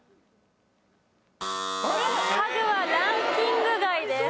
家具はランキング外です。